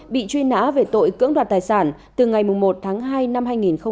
bị truy nã về tội cưỡng đoạt tài sản từ ngày một tháng hai năm hai nghìn hai mươi